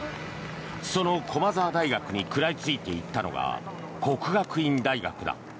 その駒澤大学に食らいついていったのが國學院大學だ。